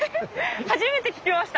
初めて聞きました。